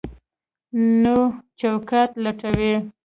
نوی چوکاټ لټوي.